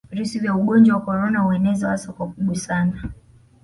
Virusi vya ugonnjwa wa korona huenezwa hasa kwa kugusana